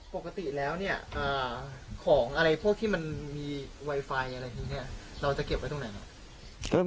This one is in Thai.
ปกติแล้วเนี่ยของอะไรพวกที่มันมีไวไฟอะไรพวกนี้เราจะเก็บไว้ตรงไหนเนี่ย